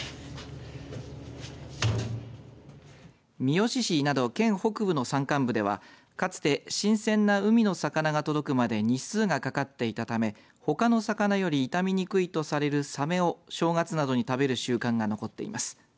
三次市など県北部の山間部ではかつて新鮮な海の魚が届くまで日数がかかっていたため、ほかの魚より傷みにくいとされるサメを正月などに食べる習慣が残っています。